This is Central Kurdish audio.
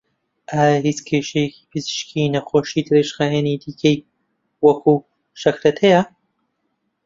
ئایا هیچ کێشەی پزیشکی نەخۆشی درێژخایەنی دیکەی وەکوو شەکرەت هەیە؟